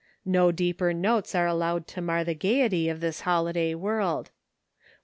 No deeper notes are allowed to mar the gaiety of this holiday world.